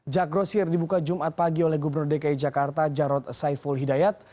jak grosir dibuka jumat pagi oleh gubernur dki jakarta jarod saiful hidayat